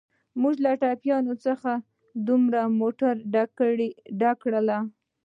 موږ له ټپیانو څخه دوه موټرونه ډک کړل.